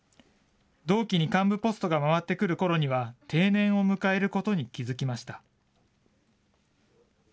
同期に幹部ポストが回ってくるころには、定年を迎えることに気付きました。